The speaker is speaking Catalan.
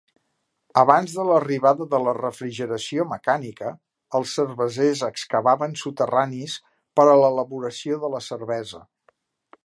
Abans de l'arribada de la refrigeració mecànica, els cervesers excavaven soterranis per a l'elaboració de la cervesa.